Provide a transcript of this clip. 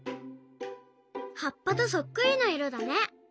はっぱとそっくりないろだね！